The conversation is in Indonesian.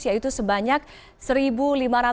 yaitu covid sembilan belas yang terjadi di indonesia